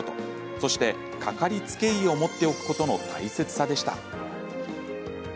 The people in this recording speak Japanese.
そして、かかりつけ医を持っておくことの大切さでした。